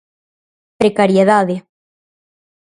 Precariedade.